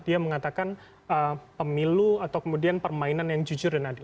dia mengatakan pemilu atau kemudian permainan yang jujur dan adil